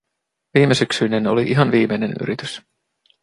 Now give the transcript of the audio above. Viimesyksyinen oli ihan viimeinen yritys.